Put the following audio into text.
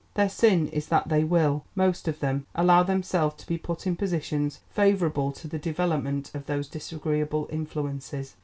Their sin is that they will, most of them, allow themselves to be put in positions favourable to the development of these disagreeable influences.